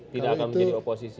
tidak akan menjadi oposisi